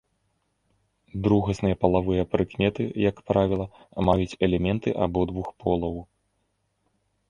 Другасныя палавыя прыкметы, як правіла, маюць элементы абодвух полаў.